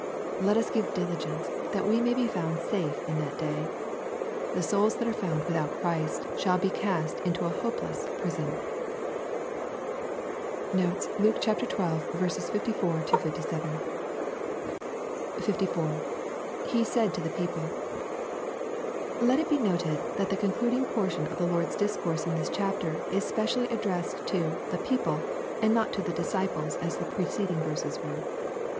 Let us give diligence that we may be found safe in that day. The souls that are found without Christ shall be cast into a hopeless prison. Notes. Luke XTT> 64—59. 54. — [He said to the people.] Let it be noted, that the concluding portion of the Lord's discourse in this chapter is specially ad dressed to " the people," and not to the disciples as the preceding verses were.